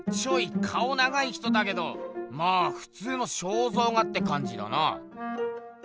長い人だけどまあふつうの肖像画ってかんじだな。